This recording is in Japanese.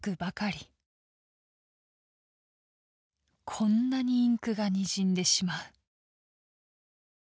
「こんなにインクがにじんでしまう」。